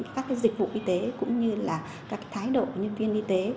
các cái dịch vụ y tế cũng như là các cái thái độ nhân viên y tế